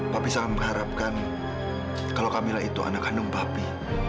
papi sangat mengharapkan kalau kamila itu anak kandung papi